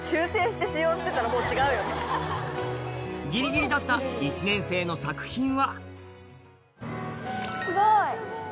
ギリギリだった１年生の作品はすごい！